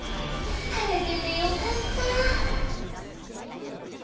垂れててよかった。